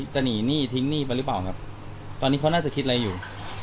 จะหนีหนี้ทิ้งหนี้ไปหรือเปล่าครับตอนนี้เขาน่าจะคิดอะไรอยู่